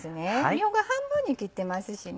みょうが半分に切ってます。